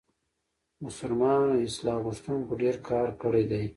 مسلمانو اصلاح غوښتونکو ډېر کار کړی دی.